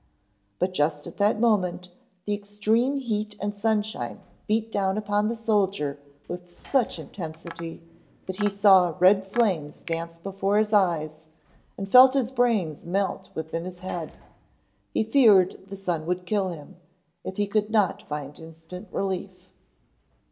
But just at that moment the extreme heat and sunshine beat down upon the soldier with such intensity that he saw red flames dance before his eyes and felt his brains melt within his head. He feared the sun would kill him, if he could not find instant relief.